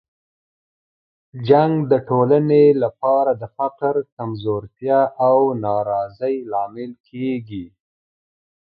جنګ د ټولنې لپاره د فقر، کمزورتیا او ناراضۍ لامل کیږي.